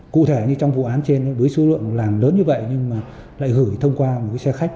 cụ thể trong vụ án trên đối số lượng làng lớn như vậy nhưng lại gửi thông qua một xe khách